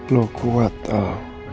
lo kuat al